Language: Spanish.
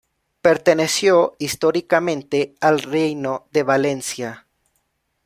Perteneció históricamente al Reino de Valencia.